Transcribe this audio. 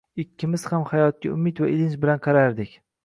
Ikkimiz ham hayotga umid va ilinj bilan qarardik